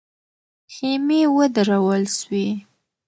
خېمې ودرول سوې.